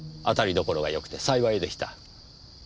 当たりどころが良くて幸いでした。